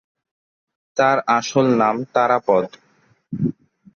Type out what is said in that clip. তার আসল নাম তারাপদ।